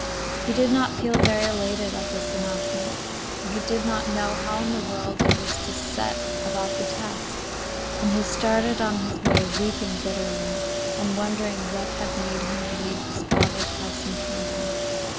He did not feel very elated at this announcement, for he did not know how in the world he was to set about the task, and he started on his way weeping bitterly, and wondering what had made him leave his father's house and kingdom.